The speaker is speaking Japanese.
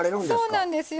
そうなんですよ。